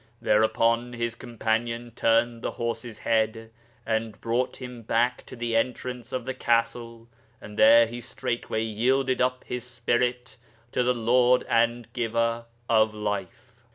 Thereupon his companion turned the horse's head, and brought him back to the entrance of the Castle; and there he straightway yielded up his spirit to the Lord and Giver of life.'